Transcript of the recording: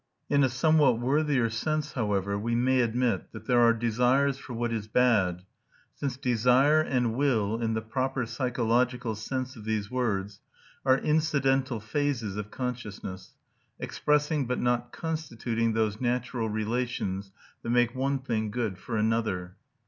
In a somewhat worthier sense, however, we may admit that there are desires for what is bad, since desire and will, in the proper psychological sense of these words, are incidental phases of consciousness, expressing but not constituting those natural relations that make one thing good for another.